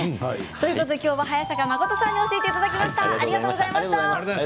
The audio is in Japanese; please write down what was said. きょうは早坂誠さんに教えていただきました。